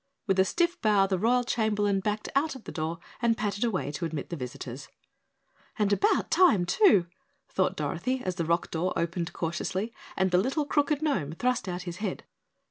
With a stiff bow the Royal Chamberlain backed out the door and pattered away to admit the visitors. "And about time, too," thought Dorothy as the rock door opened cautiously and the little crooked Gnome thrust out his head.